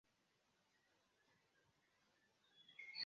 Lia verkaro estas influita de la psikoanalizo.